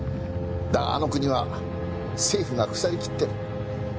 だがあの国は政府が腐りきってる。